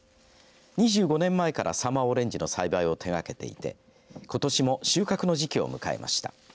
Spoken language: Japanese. ２５年前から、サマーオレンジの栽培を手がけていてことしも収穫の時期を迎えました。